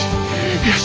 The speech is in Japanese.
よし。